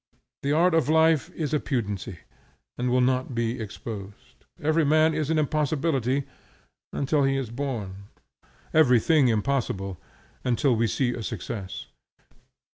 The art of life has a pudency, and will not be exposed. Every man is an impossibility until he is born; every thing impossible until we see a success.